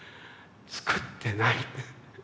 「作ってない」って。